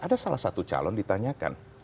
ada salah satu calon ditanyakan